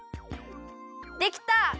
できた！